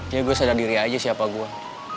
jadi gue sadar diri aja siapa gue